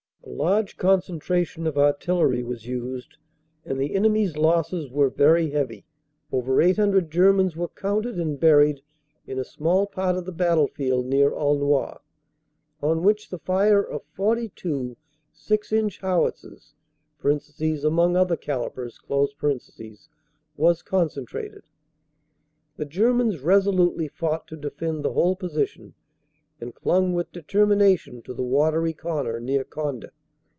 "A large concentration of artillery was used and the enemy s losses were very heavy. Over 800 Germans were counted and buried in a small part of the battlefield near Aulnoy, on which the fire of 42 6 inch howitzers (among other calibres) was concentrated. The Germans resolutely fought to defend the whole position and clung with determination to the watery corner near Conde.